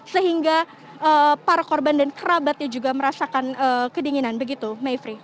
sehingga para korban dan kerabatnya juga merasakan kedinginan begitu mayfrey